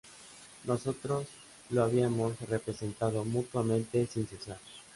Nosotros lo habíamos respetado mutuamente sin cesar"".